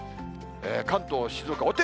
関東、静岡。